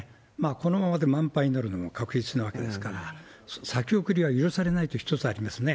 このままで満杯になるのは確実なわけですから、先送りは許されないということが一つありますね。